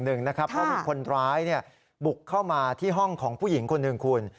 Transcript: เพราะว่าคนร้ายบุกเข้ามาที่ห้องของผู้หญิงคน๑